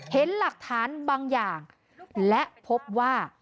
เห็นหลักฐานบางอย่างและพบว่า